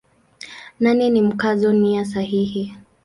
Nane ni Mkazo nia sahihi.